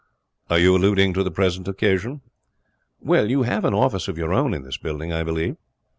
'Are you alluding to the present occasion?' 'Well, you have an office of your own in this building, I believe.'